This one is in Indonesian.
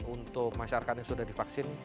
untuk masyarakat yang sudah divaksin kita berikan